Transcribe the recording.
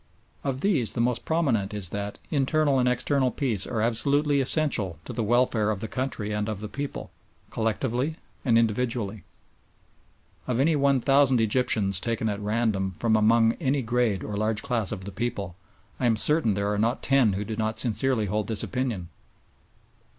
Of these the most prominent is that internal and external peace are absolutely essential to the welfare of the country and of the people, collectively and individually. Of any one thousand Egyptians taken at random from among any grade or large class of the people, I am certain there are not ten who do not sincerely hold this opinion.